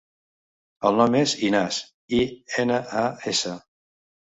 El nom és Inas: i, ena, a, essa.